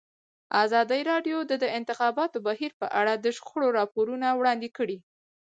ازادي راډیو د د انتخاباتو بهیر په اړه د شخړو راپورونه وړاندې کړي.